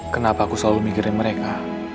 kenapa aku selalu mikirin mereka